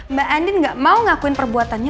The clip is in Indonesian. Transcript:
mbak endin ga mau ngakuin perbuatannya